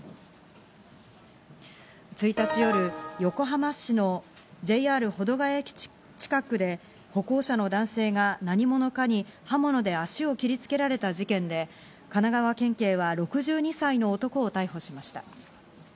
１日夜、横浜市のＪＲ保土ヶ谷駅近くで、歩行者の男性が何者かに刃物で足を切りつけられた事件で、神奈川県警は６２歳の男を逮捕しました。